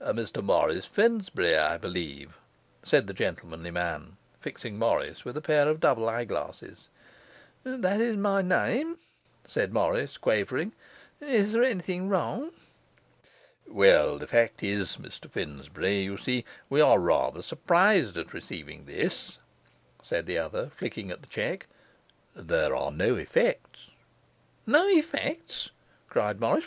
'Mr Morris Finsbury, I believe,' said the gentlemanly man, fixing Morris with a pair of double eye glasses. 'That is my name,' said Morris, quavering. 'Is there anything wrong. 'Well, the fact is, Mr Finsbury, you see we are rather surprised at receiving this,' said the other, flicking at the cheque. 'There are no effects.' 'No effects?' cried Morris.